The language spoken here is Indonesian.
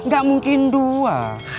gak mungkin dua